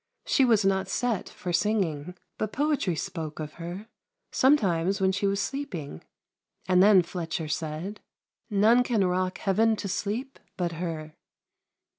She was not set for singing, but poetry spoke of her; sometimes when she was sleeping, and then Fletcher said None can rock Heaven to sleep but her.